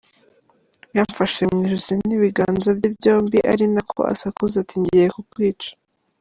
Yamfashe mu ijosi n’ibiganza bye byombi ari nako asakuza ati ngiye kukwica.